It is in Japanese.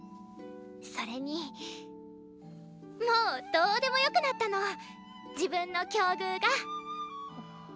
それにもうどうでもよくなったの自分の境遇が。